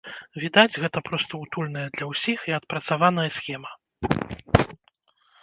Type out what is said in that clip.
Відаць, гэта проста утульная для ўсіх і адпрацаваная схема.